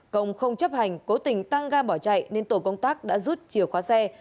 công không chấp hành cố tình tăng ga bỏ chạy nên tổ công tác đã rút chìa khóa xe